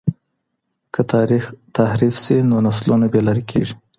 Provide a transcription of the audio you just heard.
که تاريخ تحريف سي نو نسلونه بې لاري کېږي.